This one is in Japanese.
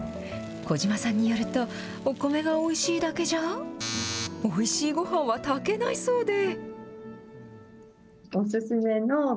小島さんによると、お米がおいしいだけじゃ、おいしいごはんは炊けないそうで。